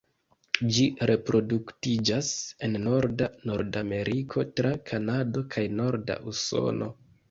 Ĝi reproduktiĝas en norda Nordameriko tra Kanado kaj norda Usono.